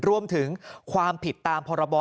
รวมถึงความผิดตามพรบ